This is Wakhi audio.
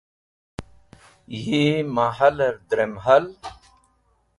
Yi mehalẽr drem hal.